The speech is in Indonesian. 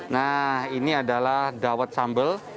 nah ini adalah dawet sambal